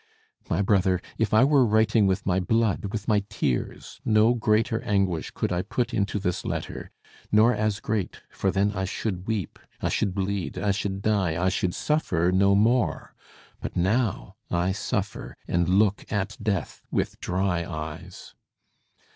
My brother, if I were writing with my blood, with my tears, no greater anguish could I put into this letter, nor as great, for then I should weep, I should bleed, I should die, I should suffer no more, but now I suffer and look at death with dry eyes.